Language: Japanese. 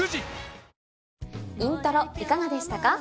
『イントロ』いかがでしたか？